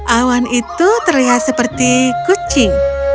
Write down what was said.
awan itu terlihat seperti kucing